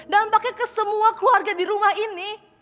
dampaknya ke semua keluarga di rumah ini